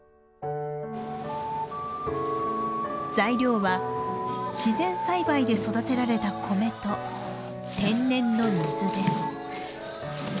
材料は自然栽培で育てられた米と天然の水です。